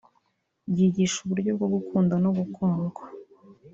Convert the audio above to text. Byigisha uburyo bwo gukunda no gukundwa